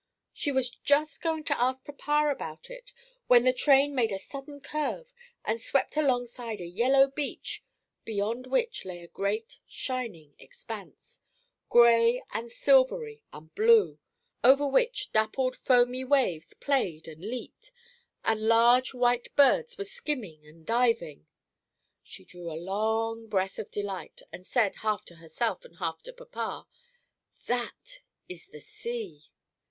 She was just going to ask papa about it when the train made a sudden curve and swept alongside a yellow beach, beyond which lay a great shining expanse, gray and silvery and blue, over which dappled foamy waves played and leaped, and large white birds were skimming and diving. She drew a long breath of delight, and said, half to herself and half to papa, "That is the sea!"